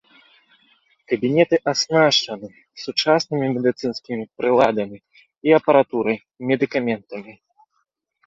Кабінеты аснашчаны сучаснымі медыцынскімі прыладамі і апаратурай, медыкаментамі.